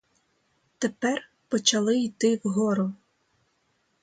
Тепер почали йти вгору.